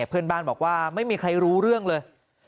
เพื่อนบ้านบอกว่าไม่มีใครรู้เรื่องเลย